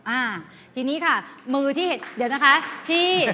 อ่าทีนี้ค่ะมือที่เห็นเดี๋ยวนะคะที่